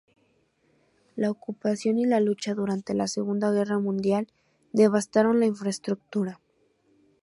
La ocupación y la lucha durante la segunda guerra mundial devastaron la infraestructura.